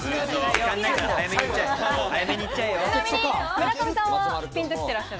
村上さんはピンと来てらっしゃる？